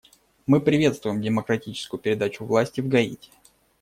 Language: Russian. Мы приветствуем демократическую передачу власти в Гаити.